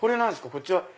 こっちは。